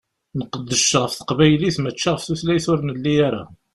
Nqeddec ɣef teqbaylit, mačči ɣef tutlayt ur nelli ara.